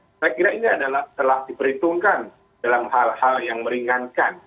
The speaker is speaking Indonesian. saya kira ini adalah telah diperhitungkan dalam hal hal yang meringankan